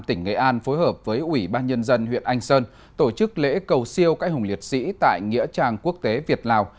tỉnh nghệ an phối hợp với ủy ban nhân dân huyện anh sơn tổ chức lễ cầu siêu cãi hùng liệt sĩ tại nghĩa trang quốc tế việt lào